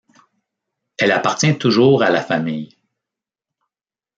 Elle appartient toujours à la famille.